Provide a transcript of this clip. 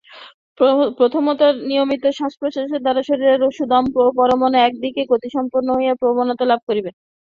প্রথমত নিয়মিত শ্বাসপ্রশ্বাসের দ্বারা শরীরের সমুদয় পরমাণুই একদিকে গতিসম্পন্ন হইবার প্রবণতা লাভ করিবে।